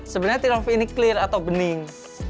sebenarnya tear off ini clear atau bening